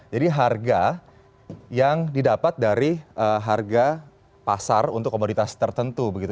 jadi harga yang didapat dari harga pasar untuk komoditas tertentu